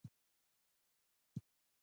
د برټانیې حکومت غواړي افغانستان مستعمره کړي.